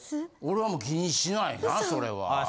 俺はもう気にしないなそれは。